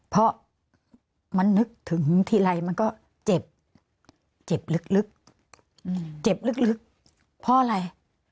เพราะมันนึกถึงทีไรมันก็เจ็บเจ็บลึกเจ็บลึกเพราะอะไร